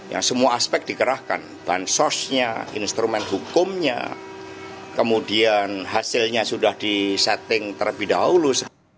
yang semua aspek dikerahkan bahan sosnya instrumen hukumnya kemudian hasilnya sudah disetting terlebih dahulu